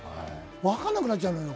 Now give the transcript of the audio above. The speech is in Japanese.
分かんなくなっちゃうのよ。